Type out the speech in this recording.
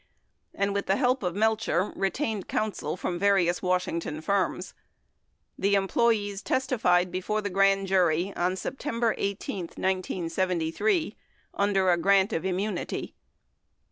and, with the help of Melcher, retained counsel from various Washington firms. The employees testified before the grand jury on September 18, 1973, under a grant of immunity.